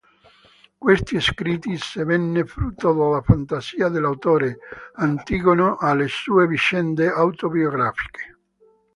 Questi scritti, sebbene frutto della fantasia dell'autore, attingono alle sue vicende autobiografiche.